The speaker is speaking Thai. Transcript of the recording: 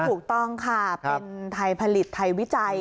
ถูกต้องค่ะเป็นไทยผลิตไทยวิจัย